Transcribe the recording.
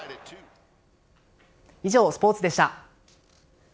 以上、スポーツでした。